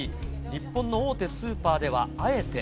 日本の大手スーパーではあえて。